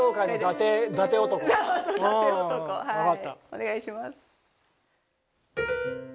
お願いします。